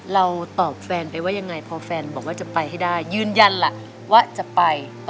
เราตอบแฟนไปว่ายังไงพอแฟนบอกว่าจะไปให้ได้